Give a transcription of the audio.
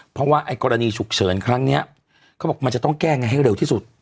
เพราะว่าไอ้กรณีฉุกเฉินครั้งนี้เขาบอกมันจะต้องแก้ไงให้เร็วที่สุด